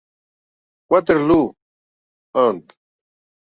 Waterloo, Ont.